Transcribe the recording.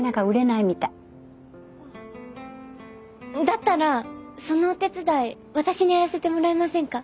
だったらそのお手伝い私にやらせてもらえませんか？